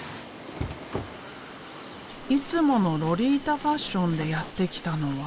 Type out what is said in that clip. いつものロリータファッションでやって来たのは。